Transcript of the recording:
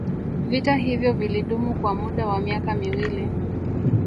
Vita hivyo vilidumu kwa muda wa miaka miwili